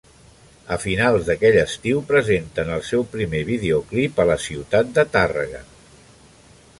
A finals d'aquell estiu presenten el seu primer videoclip a la ciutat de Tàrrega.